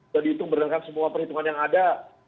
jadi itu berdasarkan semua perhitungan yang ada